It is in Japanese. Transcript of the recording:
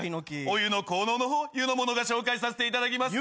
お湯の効能の方湯の者が紹介させていただきます。